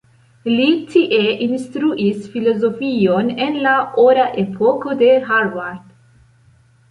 Li tie instruis filozofion en la ora epoko de Harvard.